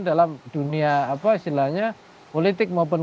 dalam dunia apa istilahnya politik maupun